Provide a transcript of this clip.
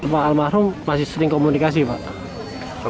pak almarhum masih sering komunikasi pak